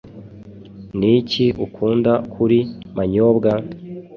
Niki ukunda kuri Manyobwa?